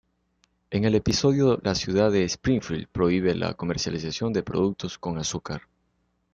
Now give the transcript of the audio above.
En el episodio, la ciudad de Springfield prohíbe la comercialización de productos con azúcar.